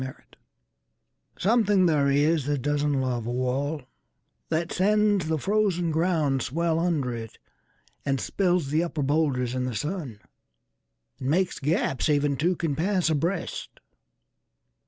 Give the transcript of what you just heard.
Mending Wall SOMETHING there is that doesn't love a wall, That sends the frozen ground swell under it, And spills the upper boulders in the sun; And makes gaps even two can pass abreast.